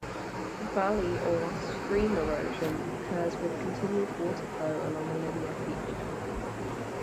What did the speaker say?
"Valley" or "stream erosion" occurs with continued water flow along a linear feature.